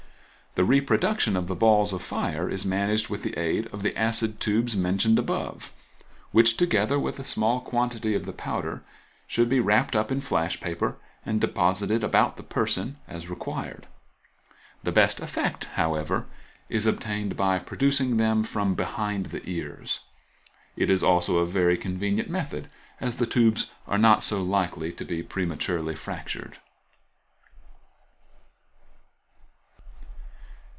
The reproduction of the balls of fire is managed with the aid of the acid tubes mentioned above, which, together with a small quantity of the powder, should be wrapped up in flash paper, and deposited about the person as required. The best effect, however, is obtained by producing them from behind the ears; it is also a very convenient method, as the tubes are not so likely to be prematurely fractured.